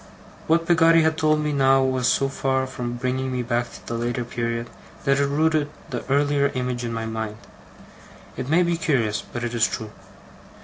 What Peggotty had told me now, was so far from bringing me back to the later period, that it rooted the earlier image in my mind. It may be curious, but it is true.